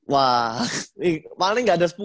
wah paling gak ada sepuluh deh